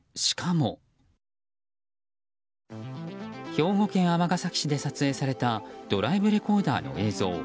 兵庫県尼崎市で撮影されたドライブレコーダーの映像。